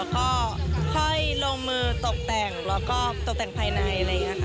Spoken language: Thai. ค่อยลงมือตกแต่งตกแต่งภายใน